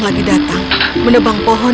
lagi datang menebang pohon